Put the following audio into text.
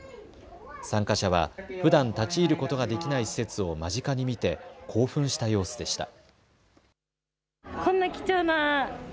参加者はふだん立ち入ることができない施設を間近に見て興奮した様子でした。